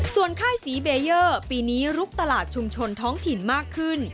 ส่วนค่ายศรีเบเยอร์ปีนี้ลุกตลาดชุมชนท้องถิ่นมากขึ้น